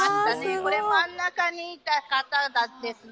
これ真ん中にいた方たちですね。